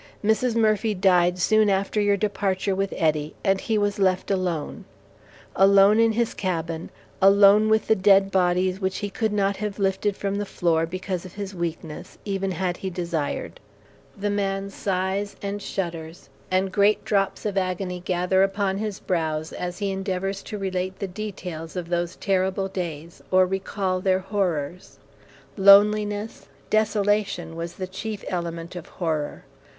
Mrs. Murphy died soon after your departure with Eddy, and he was left alone alone in his cabin alone with the dead bodies which he could not have lifted from the floor, because of his weakness, even had he desired. The man sighs and shudders, and great drops of agony gather upon his brows as he endeavors to relate the details of those terrible days, or recall their horrors. Loneliness, desolation was the chief element of horror.